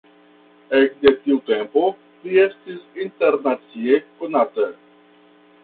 Ekde tiu tempo, li estis internacie konata.